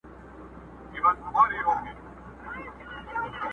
د شګوفو د پسرلیو وطن!!